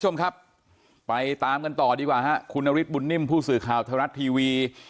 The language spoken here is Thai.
คุณผู้ชมครับไปตามกันต่อดีกว่าฮะคุณนฤทธบุญนิ่มผู้สื่อข่าวไทยรัฐทีวี